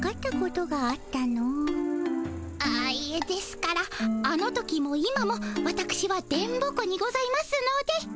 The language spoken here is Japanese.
あっいえですからあの時も今もわたくしは電ボ子にございますので。